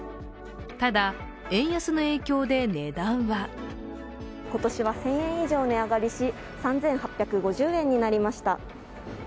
ただ円安の影響で、値段は今年は１０００円以上値上がりし、３８５０円になりました。